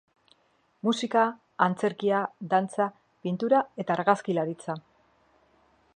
Musika, antzerkia, dantza, pintura eta argazkilaritza.